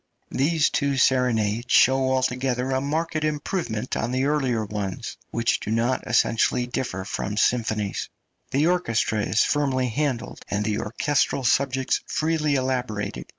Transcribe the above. These two serenades show altogether a marked improvement on the earlier ones, which do not essentially differ from symphonies. The orchestra is firmly handled, and the orchestral subjects freely elaborated.